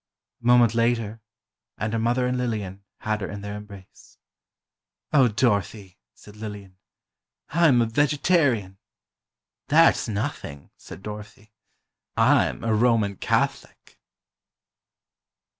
A moment later, and her mother and Lillian had her in their embrace. "Oh, Dorothy," said Lillian, "I'm a vegetarian!" "That's nothing," said Dorothy, "I'm a Roman Catholic!"